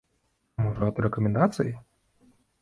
А можа гэта рэкамендацыі?